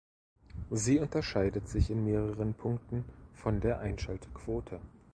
Sie unterscheidet sich in mehreren Punkten von der Einschaltquote.